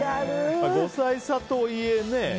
５歳差といえね。